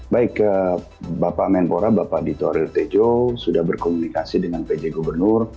baik bapak menpora bapak dito aryo tejo sudah berkomunikasi dengan pj gubernur